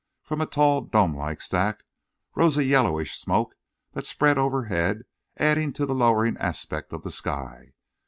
From a tall dome like stack rose a yellowish smoke that spread overhead, adding to the lowering aspect of the sky.